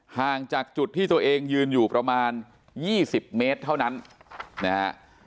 ห่างจากจุดที่ตัวเองยืนอยู่ประมาณ๒๐เมตรเท่านั้นนะฮะ